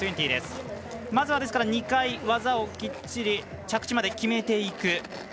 まずは２回、技をきっちり着地まで決めていく。